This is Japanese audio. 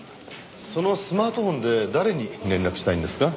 そのスマートフォンで誰に連絡したいんですか？